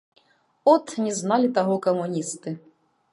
От, не зналі таго камуністы!